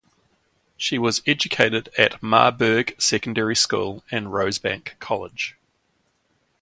She was educated at Marburg Secondary School and Rosebank College.